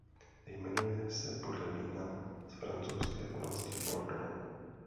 Jmenuje se podle vína z francouzské oblasti Bordeaux.